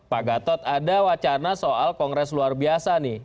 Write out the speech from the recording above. pak gatot ada wacana soal kongres luar biasa nih